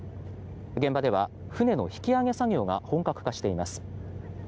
現場では、船の引き揚げ作業が本格化しています。